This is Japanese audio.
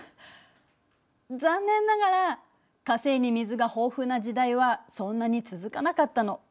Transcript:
残念ながら火星に水が豊富な時代はそんなに続かなかったの。